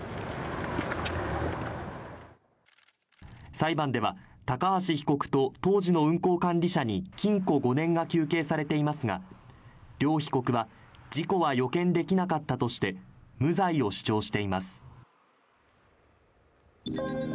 裁判では、高橋被告と当時の運行管理者に禁錮５年が求刑されていますが両被告は事故は予見できなかったとして無罪を主張しています。